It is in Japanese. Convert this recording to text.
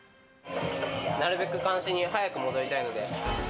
なるべく監視に早く戻りたいので。